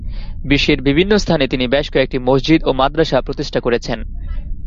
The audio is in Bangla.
বিশ্বের বিভিন্ন স্থানে তিনি বেশ কয়েকটি মসজিদ ও মাদ্রাসা প্রতিষ্ঠা করেছেন।